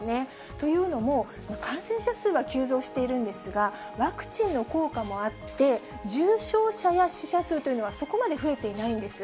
というのも、感染者数は急増しているんですが、ワクチンの効果もあって、重症者や死者数というのはそこまで増えていないんです。